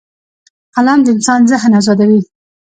قلم د انسان ذهن ازادوي